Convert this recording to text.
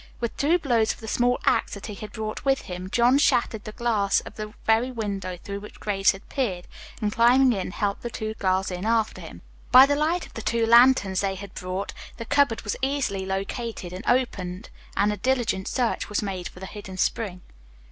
With two blows of the small axe that he had brought with him, John shattered the glass of the very window through which Grace had peered, and, climbing in, helped the two girls in after him. By the light of the two lanterns they had brought, the cupboard was easily located and opened and a diligent search was made for the hidden spring.